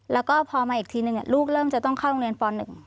แล้วก็พอมาอีกทีนึงลูกเริ่มจะต้องเข้าโรงเรียนป๑